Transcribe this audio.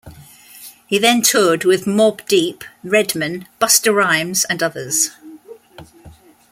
He then toured with Mobb Deep, Redman, Busta Rhymes, and others.